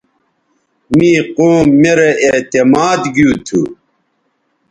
می قوم میرے اعتماد گیوتھو